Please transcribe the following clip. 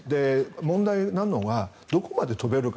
問題なのは、どこまで飛べるか。